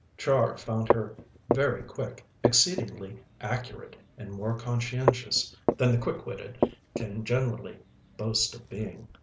Char found her very quick, exceedingly accurate, and more conscientious than the quick witted can generally boast of being.